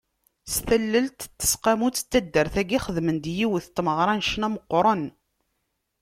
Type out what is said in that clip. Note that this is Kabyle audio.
S tallelt n teseqqamut n taddar-agi, xedmen-d yiwet n tmeɣra n ccna meqqren.